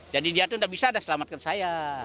jadi dia itu tidak bisa dan selamatkan saya